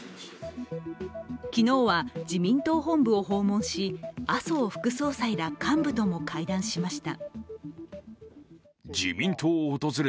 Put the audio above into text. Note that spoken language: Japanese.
昨日は自民党補運部を訪問し麻生副総裁ら幹部とも会談しました。